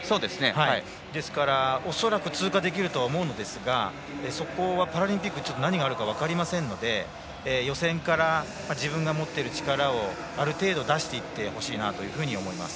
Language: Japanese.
ですから、恐らく通過できると思いますがそこはパラリンピック何があるか分かりませんので予選から自分が持っている力をある程度出していってほしいなと思います。